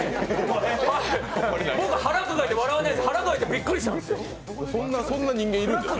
僕、腹抱えて笑わないですが腹抱えてびっくりしたんです。